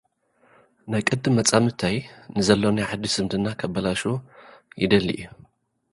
ናይ ቅድም መጻምድተይ፡ ንዘሎኒ ሓድሽ ዝምድና ከበላሹ ይደሊ እዩ።